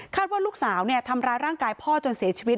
ว่าลูกสาวทำร้ายร่างกายพ่อจนเสียชีวิต